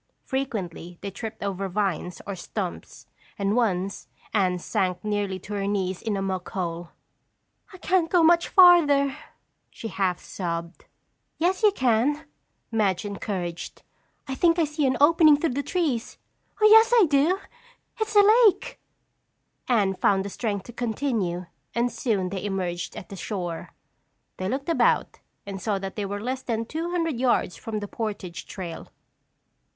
Frequently, they tripped over vines or stumps and once Anne sank nearly to her knees in a muck hole. "I can't go much farther," she half sobbed. "Yes, you can," Madge encouraged. "I think I see an opening through the trees. Yes, I do! It's the lake!" Anne found the strength to continue and soon they emerged at the shore. They looked about and saw that they were less than two hundred yards from the portage trail.